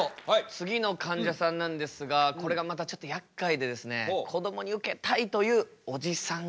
次のかんじゃさんなんですがこれがまたちょっとやっかいでこどもにウケたいというおじさん